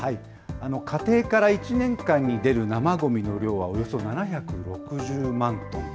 家庭から１年間に出る生ごみの量は、およそ７６０万トン。